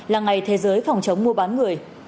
là ngày thế giới phòng chống mô bán người